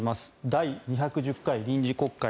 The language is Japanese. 第２１０回臨時国会。